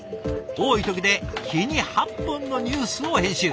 多い時で日に８本のニュースを編集。